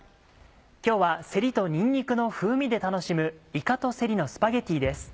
今日はせりとにんにくの風味で楽しむ「いかとせりのスパゲティ」です。